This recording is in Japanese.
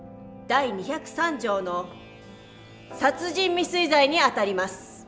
第２０３条の殺人未遂罪にあたります。